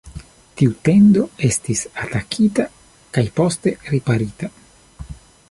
Tiu tendo estis atakita kaj poste riparita.